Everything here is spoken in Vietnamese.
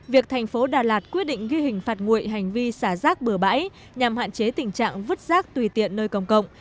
việc thành phố đà lạt quyết định ghi hình phạt nguội hành vi xả rác bừa bãi nhằm hạn chế tình trạng vứt rác tùy tiện nơi công cộng